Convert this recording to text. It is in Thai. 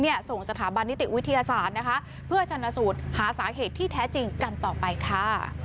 ส่งสถาบันนิติวิทยาศาสตร์นะคะเพื่อชนะสูตรหาสาเหตุที่แท้จริงกันต่อไปค่ะ